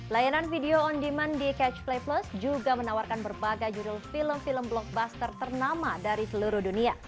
layanan video on demand di catch play plus juga menawarkan berbagai judul film film blockbuster ternama dari seluruh dunia